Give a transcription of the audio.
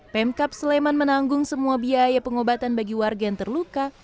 pemkap sleman menanggung semua biaya pengobatan bagi warga yang terluka